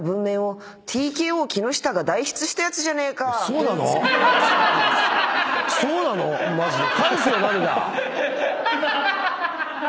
そうなの⁉そうなの⁉マジで。